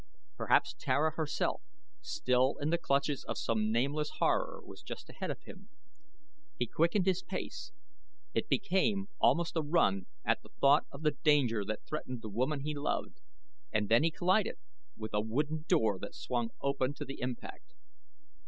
Perhaps Tara herself, still in the clutches of some nameless horror, was just ahead of him. He quickened his pace it became almost a run at the thought of the danger that threatened the woman he loved, and then he collided with a wooden door that swung open to the impact.